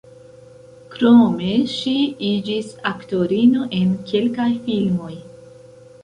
Krome ŝi iĝis aktorino en kelkaj filmoj.